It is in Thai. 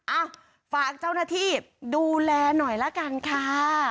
เอ้าฝากเจ้าหน้าที่ดูแลหน่อยละกันค่ะ